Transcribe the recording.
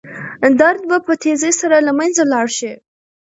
درد به په تېزۍ سره له منځه لاړ شي.